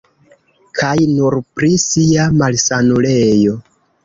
Kaj nur pri sia malsanulejo.